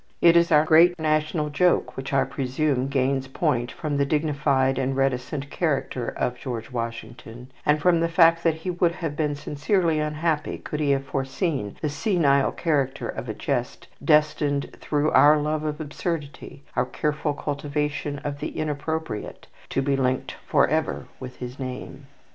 It is our great national joke, which I presume gains point from the dignified and reticent character of General Washington, and from the fact that he would have been sincerely unhappy could he have foreseen the senile character of a jest, destined, through our love of absurdity, our careful cultivation of the inappropriate, to be linked forever with his name.